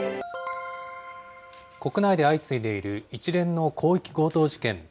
国内で相次いでいる一連の広域強盗事件。